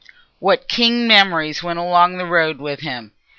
What keen memories went along the road with him!